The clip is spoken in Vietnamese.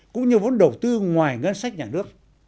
cũng như vốn đầu tư ngoài ngân sách nhà nước